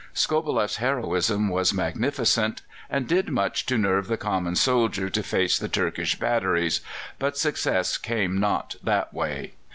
Skobeleff's heroism was magnificent, and did much to nerve the common soldier to face the Turkish batteries; but success came not that way.